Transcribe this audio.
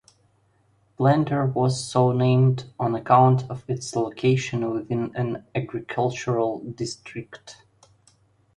Planter was so named on account of its location within an agricultural district.